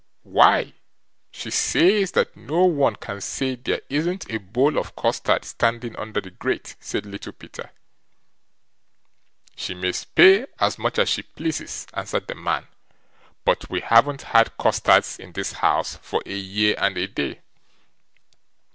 "Why, she says that no one can say there isn't a bowl of custard standing under the grate", said Little Peter. "She may spae as much as she pleases", answered the man, "but we haven't had custards in this house for a year and a day."